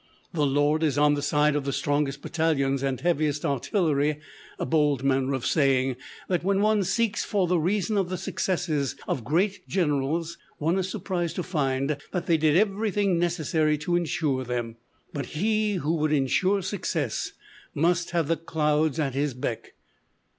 "The Lord is on the side of the strongest battalions and heaviest artillery" bold manner of saying that "when one seeks for the reason of the successes of great generals, one is surprised to find that they did everything necessary to insure them." But he who would insure success must have the clouds at his beck.